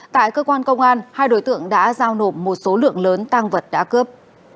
tại cơ quan công an hai đối tượng đã giao nộp một số lượng lớn tăng vật đã cướp